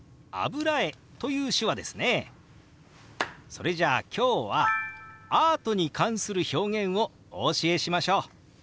それじゃあ今日はアートに関する表現をお教えしましょう！